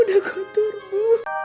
udah kotor bu